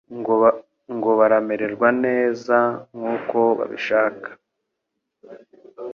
ngo baramererwa neza nkuko babishaska